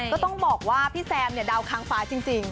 ก็ต้องบอกว่าพี่แซมเนี่ยดาวค้างฟ้าจริง